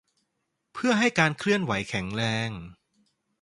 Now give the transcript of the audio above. เพื่อให้การเคลื่อนไหวแข็งแรง